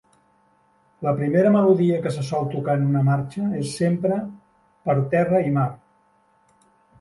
La primera melodia que se sol tocar en una marxa és sempre "Per terra i mar".